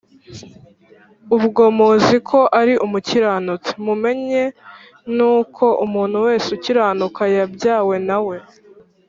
Ubwo muzi ko ari umukiranutsi, mumenye n’uko umuntu wese ukiranuka yabyawe na we.